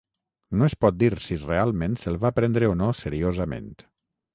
No es pot dir si realment se'l va prendre o no seriosament.